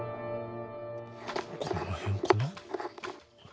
この辺かな？